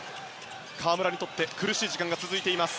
河村にとって苦しい時間が続いています。